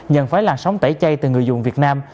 nhận phải làn sóng tẩy chay từ người dùng việt nam